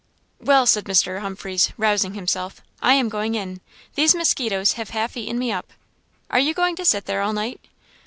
"Well!" said Mr. Humphreys, rousing himself "I am going in! These musquitoes have half eaten me up. Are you going to sit there all night?"